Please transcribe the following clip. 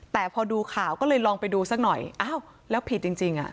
แต่พอดูข่าวก็เลยลองไปดูสักหน่อยอ้าวแล้วผิดจริงอ่ะ